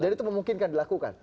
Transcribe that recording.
dan itu memungkinkan dilakukan